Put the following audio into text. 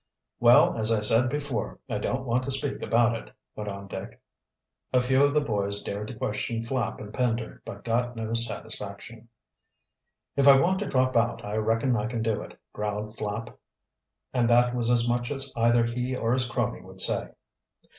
"Well, as I said before, I don't want to speak about it," went on Dick. A few of the boys dared to question Flapp and Pender, but got no satisfaction. "If I want to drop out I reckon I can do it," growled Flapp, and that was as much as either he or his crony would say.